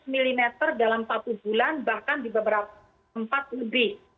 seratus mm dalam satu bulan bahkan di beberapa tempat lebih